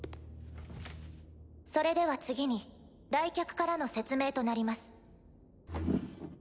それでは次に来客からの説明となります。